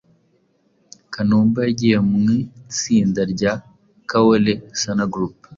Kanumba yagiye mu itsinda rya Kaole Sanaa Group